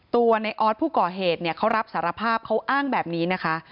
ตัวในออสผู้ก่อเหตุเขารับสารภาพเขาอ้างแบบนี้นะคะ